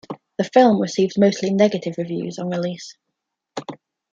The film received mostly negative reviews on release.